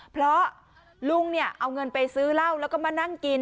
เพราะลุงเนี่ยเอาเงินไปซื้อเหล้าแล้วก็มานั่งกิน